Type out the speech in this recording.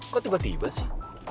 kok tiba tiba sih